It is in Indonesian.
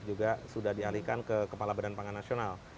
juga sudah dialihkan ke kepala badan pangan nasional